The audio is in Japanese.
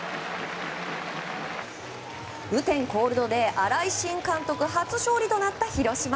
雨天コールドで新井新監督初勝利となった広島。